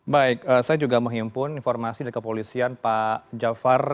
baik saya juga menghimpun informasi dari kepolisian pak jafar